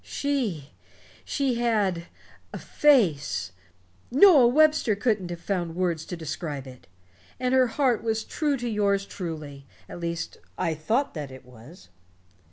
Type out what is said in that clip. She she had a face Noah Webster couldn't have found words to describe it. And her heart was true to yours truly at least I thought that it was."